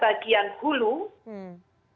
bagian hulu yang dikelola oleh bdk